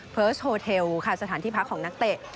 โฮเทลค่ะสถานที่พักของนักเตะ